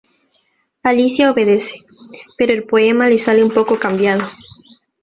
Alicia obedece, pero el poema le sale un poco cambiado.